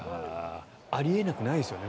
あり得なくないですよね